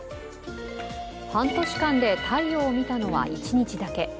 半年間で太陽を見たのは１日だけ。